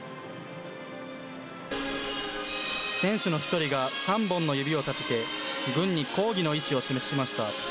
選手の一人が３本の指を立てて、軍に抗議の意志を示しました。